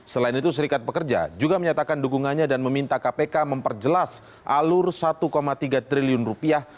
selain itu serikat pekerja juga menyatakan dukungannya dan meminta kpk memperjelas alur satu tiga triliun rupiah